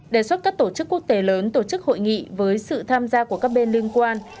đề xuất các tổ chức quốc tế lớn tổ chức hội nghị với sự tham gia của các bên liên quan